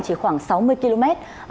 chỉ khoảng sáu mươi km